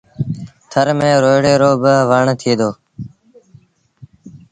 ٿر ميݩ روئيڙي رو با وڻ ٿئي دو۔